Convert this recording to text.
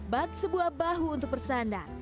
bak sebuah bahu untuk bersandar